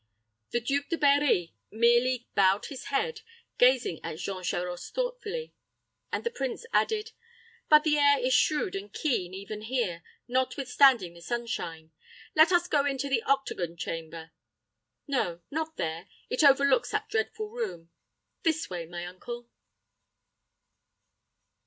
The Duke de Berri merely bowed his head, gazing at Jean Charost thoughtfully; and the prince added, "But the air is shrewd and keen, even here, notwithstanding the sunshine. Let us go into the octagon chamber. No, not there, it overlooks that dreadful room. This way, my uncle."